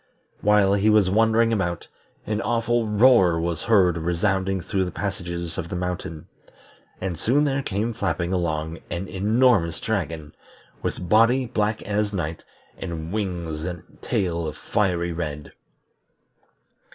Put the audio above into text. While he was wandering about, an awful roar was heard resounding through the passages of the mountain, and soon there came flapping along an enormous dragon, with body black as night, and wings and tail of fiery red.